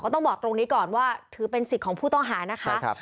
ต้องบอกตรงนี้ก่อนว่าถือเป็นสิทธิ์ของผู้ต้องหานะคะ